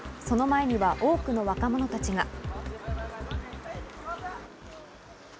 その前には多くの若者たちが。